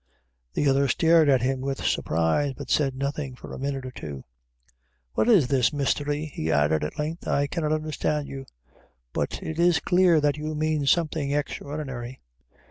The other stared at him with surprise, but said nothing for a minute or two. "What is this mystery?" he added at length; "I cannot understand you; but it is clear that you mean something extraordinary."